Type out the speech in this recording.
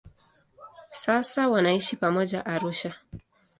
Sasa wanaishi pamoja Arusha.